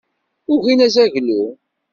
Ugin azaglu.